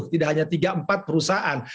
tidak hanya tiga empat perusahaan